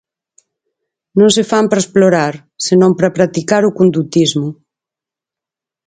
Non se fan para explorar, senón para practicar o condutismo.